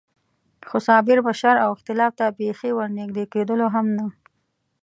خو صابر به شر او اختلاف ته بېخي ور نږدې کېدلو هم نه.